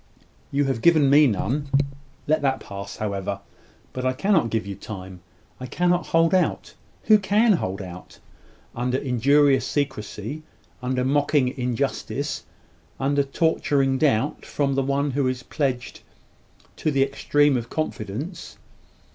"You have given me none. Let that pass, however. But I cannot give you time. I cannot hold out who can hold out, under injurious secrecy under mocking injustice under torturing doubt from the one who is pledged to the extreme of confidence?